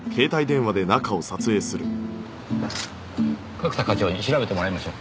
角田課長に調べてもらいましょう。